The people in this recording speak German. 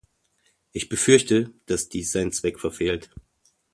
Ich befürchte, dass dies seinen Zweck verfehlt.